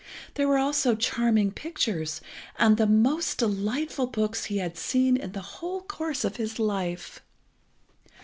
There were also charming pictures, and the most delightful books he had seen in the whole course of his life.